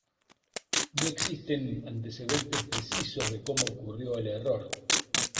No existen antecedentes precisos de como ocurrió el error.